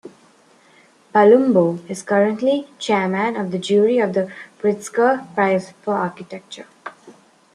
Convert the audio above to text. Palumbo is currently chairman of the jury of the Pritzker Prize for Architecture.